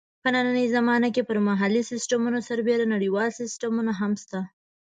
په نننۍ زمانه کې پر محلي سیسټمونو سربېره نړیوال سیسټمونه هم شته.